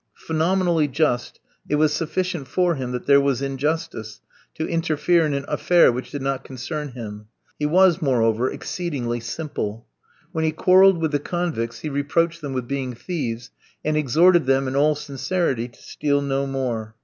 Phenomenally just, it was sufficient for him that there was injustice, to interfere in an affair which did not concern him. He was, moreover, exceedingly simple. When he quarrelled with the convicts, he reproached them with being thieves, and exhorted them in all sincerity to steal no more.